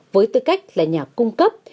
với tư cách là nhà cung cấp